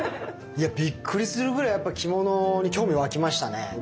いやびっくりするぐらいやっぱ着物に興味湧きましたね。